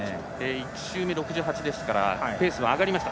１周目は６８でしたからペースが上がりました。